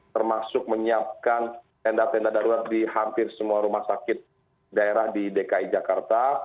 termasuk menyiapkan tenda tenda darurat di hampir semua rumah sakit daerah di dki jakarta